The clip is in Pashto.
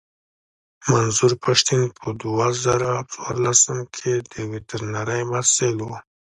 منظور پښتين په دوه زره څوارلسم کې د ويترنرۍ محصل و.